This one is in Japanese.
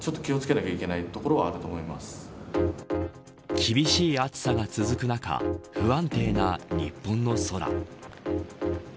厳しい暑さが続く中不安定な日本の空。